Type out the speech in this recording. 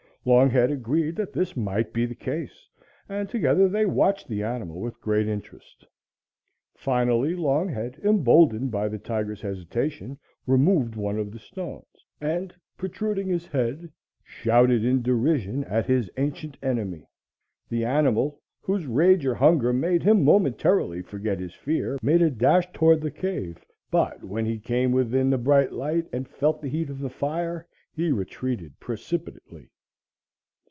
Longhead agreed that this might be the case, and together they watched the animal with great interest. Finally Longhead, emboldened by the tiger's hesitation, removed one of the stones, and, protruding his head, shouted in derision at his ancient enemy. The animal, whose rage or hunger made him momentarily forget his fear, made a dash toward the cave, but, when he came within the bright light and felt the heat of the fire, he retreated precipitately.